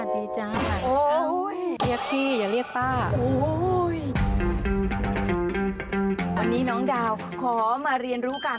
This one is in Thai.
ใช่จ้ะคุณน้ำโอเค